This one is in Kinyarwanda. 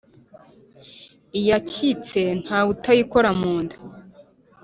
Iyakitse ntawe utayikora mu nda.